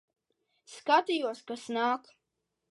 Skatījos, kas nāk.